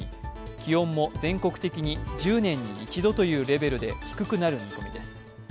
気温も全国的に１０年に一度というレベルで低くなる見込みです。